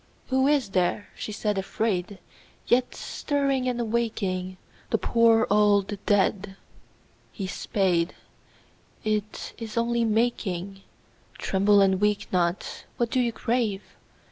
Who is there, she said afraid, yet Stirring and awaking The poor old dead? His spade, it Is only making, — (Tremble and weep not I What do you crave